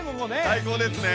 最高ですね。